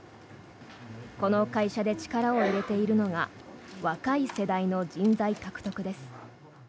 この会社で力を入れているのが若い世代の人材獲得です。